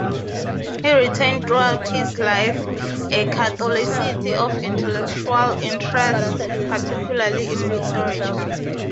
He retained throughout his life a catholicity of intellectual interests, particularly in literature.